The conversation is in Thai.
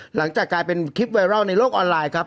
หลังจากกลายเป็นคลิปไวรัลในโลกออนไลน์ครับ